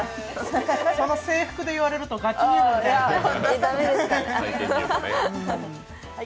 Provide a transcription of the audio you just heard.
その制服で言われるとガチ入部みたい。